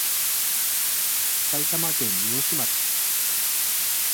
埼玉県三芳町